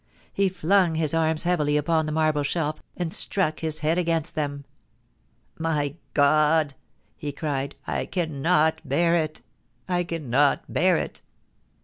He flung his arms heavily upon the marble shelf, and struck his head against them. ' My God !* he cried, ' I cannot bear it — I cannot bear it